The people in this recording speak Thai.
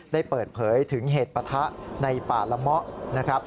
ได้เปิดเผยถึงเหตุปะทะในป่าละเมาะนะครับ